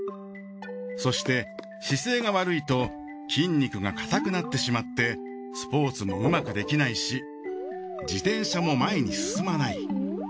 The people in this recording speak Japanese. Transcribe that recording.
そして姿勢が悪いと筋肉が硬くなってしまってスポーツもうまくできないし自転車も前に進まない。